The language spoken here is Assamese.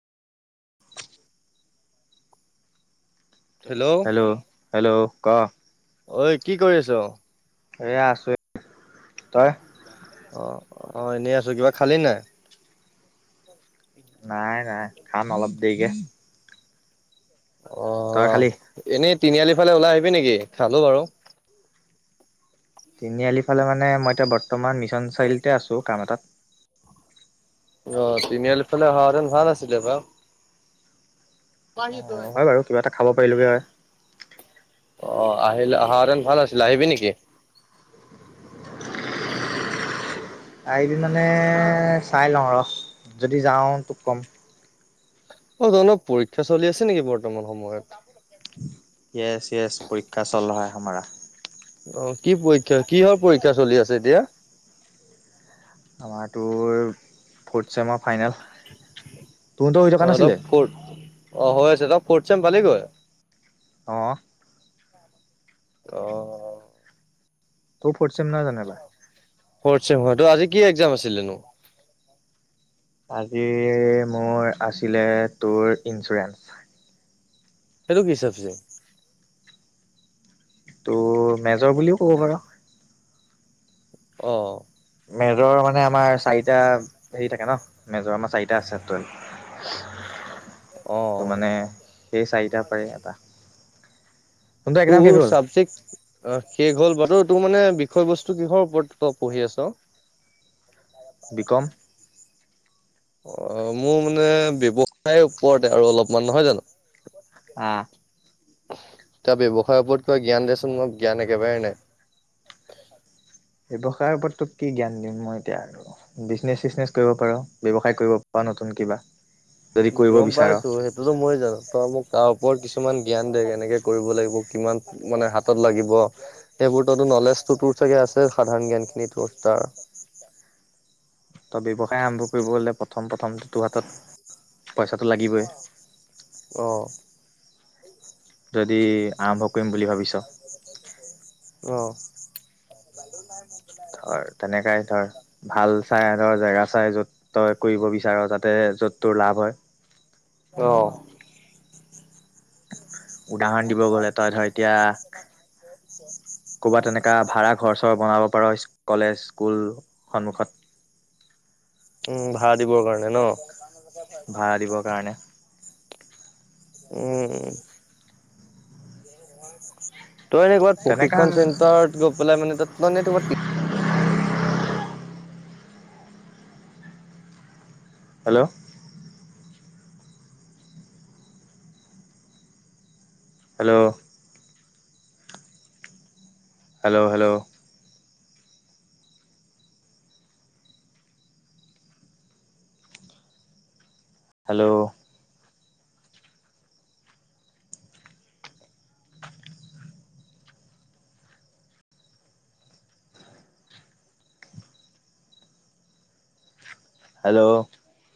হেল্ল' হেল্ল' ক ঐ কি কৰি আছ? এয়া আছো। তই অ' অ' এনেই আছো কিবা খালি নাই। নাই নাই খাম অলপ দেৰিকে। তই অ' খালি এনেই তিনিআলি ফালে ওলাই আহিবি নেকি খালো বাৰু। তিনিআলিৰফালে মানে মই এতিয়া বৰ্তমান মিছন চাৰিআলিতে আছোঁ কাম এটাত। অ' তিনিআলিফালে অহা হেতেন ভাল আছিলে বা অ' হয় বাৰু কিবা এটা খাব পাৰিলোগে হয় অ' আহিলে অহা হেতেন ভাল আছিল আহিবি নেকি? আহিবি মানে চাই লওঁ ৰহ যদি যাওঁ তোক কম। অ' ত অলপ পৰীক্ষা চলি আছে নেকি বৰ্তমান সময়ত। য়েচ য়েচ পৰীক্ষা চল হয় সামৰা। অ' কি পৰীক্ষা কিহৰ পৰীক্ষা চলি আছে এতিয়া? আমাৰ তোৰ ফৰ্থ চেমৰ। ফাইনেল তোৰতো হৈ থকা অ' অলপ নাছিলে ফথ অ' হৈ আছে ত ফোৰ্ট ছেম পালি গৈ অঁহ অ তোৰ ফোৰ্ট ছেম নহয় জনো এইবাৰ ফোৰ্ট ছেম হয় ত আজি কি একজাম আছিলেনো আজি মোৰ আছিলে তোৰ ইঞ্চুৰেঞ্চ সেইতো কি চাবজেক্ট টোৰ মেজৰ বুলিও ক'ব পাৰ অ মেজৰ মানে আমাৰ চাৰিটা হেৰি থাকে ন মেজৰ আমাৰ চাৰিটা আছে স [inaudible] [unintelligible] ত মানে সেই চাৰিটাৰ পাৰে এটা কোনটো এক্জাম তোৰ শেষ হ'ল চাবজেক্ট অ শেষ হ'ল বাতো তোৰ মানে বিষয় বস্তু কিহৰ ওপৰত তই পঢ়ি আছ বি কম অ মোৰ মানে ব্যৱসায় ওপৰতে আৰু অলপমান নহয় জানো আহ তই ব্যৱসায়ৰ ওপৰত কিবা জ্ঞান দিয়াচোন মই জ্ঞান একেবাৰেই নাই ব্যৱসায়ৰ ওপৰত তোক কি জ্ঞান দিম মই এতিয়া ৰ বিজনেচ চিজনেছ কৰিব পাৰ ব্যয়ৱসায় কৰিব পাৰ নতুন কিবা যদি কৰিব গম বিচাৰ পাইছো সেইটোতো মই জানো তই মোক তাৰ ওপৰত কিছু কিছুমান জ্ঞান দে কেনেকে কৰিব লাগিব কিমান মানে হাতত লাগিব সেইবোৰততো নলেজটো টোৰ চাগে আছে সাধাৰণ জ্ঞান খিনি টোৰ তাৰ ত' ব্যৱসায় আৰম্ভ কৰিব হ'লে প্ৰথম প্ৰথম তোৰহাতত অ যদি আৰম্ভ কৰিম বুলি ভাবিছ অহ ধৰ তেনেকাই ধৰ ভাল চাই ধৰ জেগা চাই য'ত তই কৰিব বিচাৰ যাতে য'ত তোৰ লাভ হয় অ উদাহৰণ দিব [inaudible] ক'বাত তেনেকা ভাড়া ঘৰ চৰ বনাব পাৰ কলেজ স্কুল সন্মুখত উম ভাড়া দিবৰ কাৰণে ন ভাড়া দিবৰ কাৰণে উম তই এনে ক'ৰবাত তেনেকা প্ৰশিক্ষণ চেণ্টাৰত গৈ পেলাই মানে তাত মানে hello hello hello hello hello hello